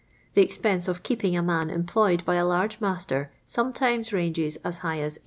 The expense of keeping a man employed by a large master sometimes ranges as high as 8*.